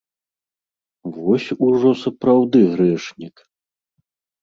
Вось ужо сапраўды грэшнік!